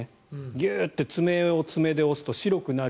ギュッと爪を爪で押すと白くなる。